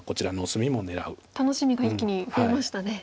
楽しみが一気に増えましたね。